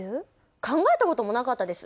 考えたこともなかったです。